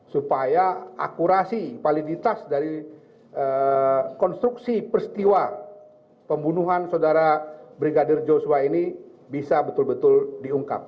supaya akurasi validitas dari konstruksi peristiwa pembunuhan saudara brigadir joshua ini bisa betul betul diungkap